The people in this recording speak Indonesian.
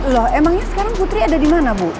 loh emangnya sekarang putri ada dimana bu